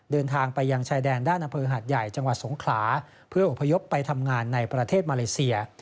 เดินทางไปยังชายแดนด้านอำเภอหาดใหญ่จังหวัดสงขลาเพื่ออพยพไปทำงานในประเทศมาเลเซีย